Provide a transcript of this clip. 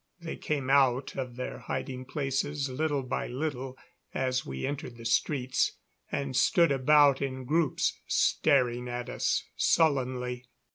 They came out of their hiding places little by little as we entered the streets, and stood about in groups staring at us sullenly.